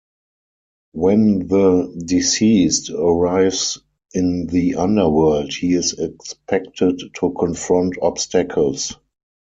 When the deceased arrives in the underworld, he is expected to confront obstacles.